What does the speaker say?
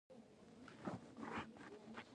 د ماښام وریځې په آسمان کې نارنجي شوې وې